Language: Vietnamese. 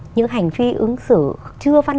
những hành vi ứng xử chưa văn